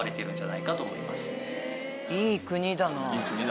いい国だな。